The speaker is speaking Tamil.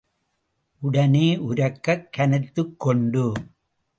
உடனே உரக்கக் கனைத்துக்கொண்டு.